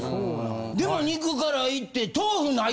でも肉からいって。